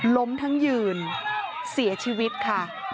ล้มทั้งยืนเสียชีวิตค่ะ